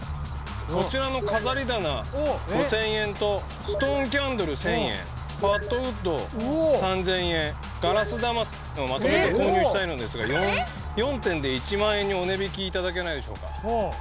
こちらの飾り棚５０００円と、ストーンキャンドル１０００円、ファットウッド３０００円、ガラス玉をまとめて購入したいのですが、４点で１万円にお値引きいただけないでしょうか。